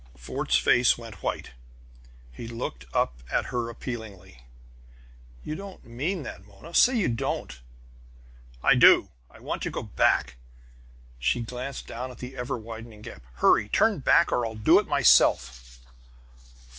Fort's face went white. He looked up at her appealingly. "You don't mean that, Mona! Say you don't!" "I do! I want to go back!" She glanced down at the ever widening gap. "Hurry! Turn back, or I'll do it myself!"